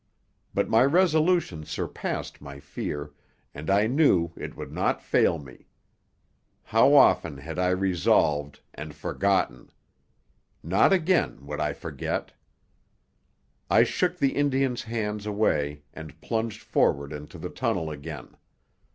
But my resolution surpassed my fear, and I knew it would not fail me. How often had I resolved and forgotten. Not again would I forget. I shook the Indian's hands away and plunged forward into the tunnel again.